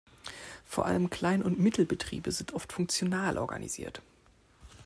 Vor allem Klein- und Mittelbetriebe sind oft funktional organisiert.